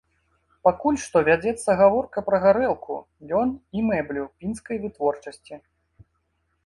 Пакуль што вядзецца гаворка пра гарэлку, лён і мэблю пінскай вытворчасці.